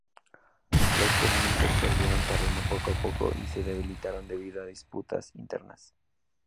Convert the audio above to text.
Los comunistas perdieron terreno poco a poco y se debilitaron debido a disputas internas.